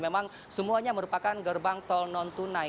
memang semuanya merupakan gerbang tol non tunai